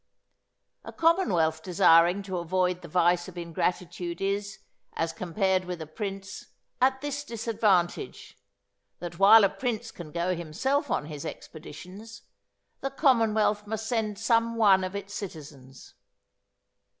A commonwealth desiring to avoid the vice of ingratitude is, as compared with a prince, at this disadvantage, that while a prince can go himself on his expeditions, the commonwealth must send some one of its citizens.